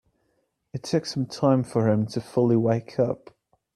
It took some time for him to fully wake up.